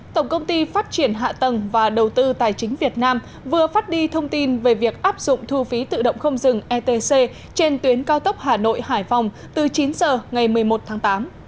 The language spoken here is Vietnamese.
tổng công ty phát triển hạ tầng và đầu tư tài chính việt nam vừa phát đi thông tin về việc áp dụng thu phí tự động không dừng etc trên tuyến cao tốc hà nội hải phòng từ chín h ngày một mươi một tháng tám